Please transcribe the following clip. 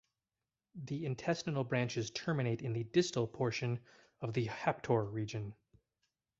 The intestinal branches terminate in the distal portion of the haptor region.